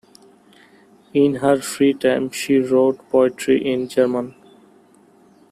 In her free time, she wrote poetry in German.